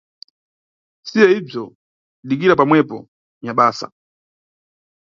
Siya ibzo dikira pamwepo nyabasa.